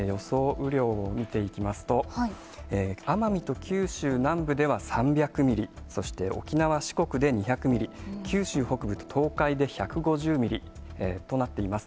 雨量を見ていきますと、奄美と九州南部では３００ミリ、そして沖縄、四国で２００ミリ、九州北部と東海で１５０ミリとなっています。